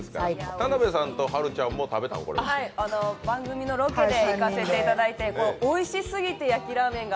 田辺さんと、はるちゃんも食べたの？は身のロケで行かせていただいて、おいしすぎて焼ラーメンが。